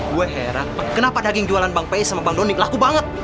gue heran kenapa daging jualan bang pey sama bang doni laku banget